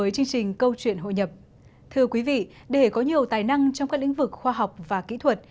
thưa quý vị để có nhiều tài năng trong các lĩnh vực khoa học và kỹ thuật